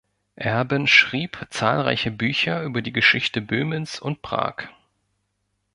Erben schrieb zahlreiche Bücher über die Geschichte Böhmens und Prag.